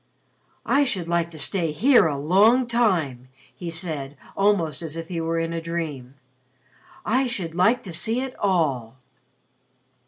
"I should like to stay here a long time," he said almost as if he were in a dream. "I should like to see it all."